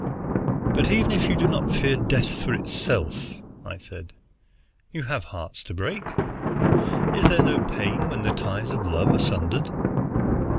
"But even if you do not fear death for itself," I said, "you have hearts to break. Is there no pain when the ties of love are sundered?"